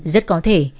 rất có thể